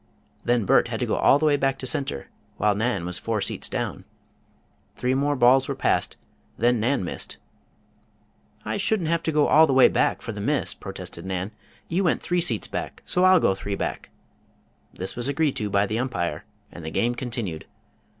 Then Bert had to go all the way back to center, while Nan was four seats down. Three more balls were passed, then Nan missed. "I shouldn't have to go all the way back for the miss," protested Nan. "You went three seats back, so I'll go three back." This was agreed to by the umpire, and the game continued.